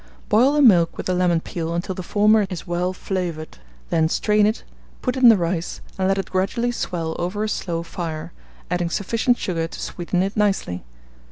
Boil the milk with the lemon peel until the former is well flavoured; then strain it, put in the rice, and let it gradually swell over a slow fire, adding sufficient sugar to sweeten it nicely.